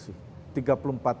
sudah tujuh belas ka mbak desi